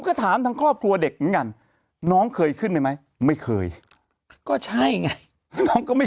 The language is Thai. ก็ถามทางครอบครัวเด็กเหมือนกันน้องเคยขึ้นไปไหมไม่เคยก็ใช่ไงน้องก็ไม่